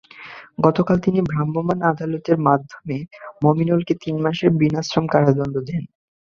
গতকাল তিনি ভ্রাম্যমাণ আদালতের মাধ্যমে মমিনুলকে তিন মাসের বিনাশ্রম কারাদণ্ড দেন।